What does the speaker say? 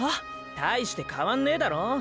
大してかわんねーだろ。